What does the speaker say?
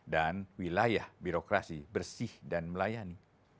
dan wilayah birokrasi bersih dan melayani